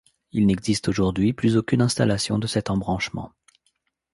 Il n’existe aujourd’hui plus aucune installation de cet embranchement.